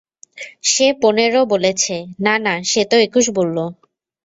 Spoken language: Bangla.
সে পনেরো বলেছে, না, না, সে তো একুশ বললো।